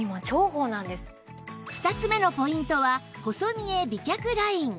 ２つ目のポイントは細見え美脚ライン